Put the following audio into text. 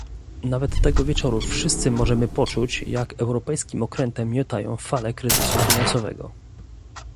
Nawet tego wieczoru wszyscy możemy poczuć, jak europejskim okrętem miotają fale kryzysu finansowego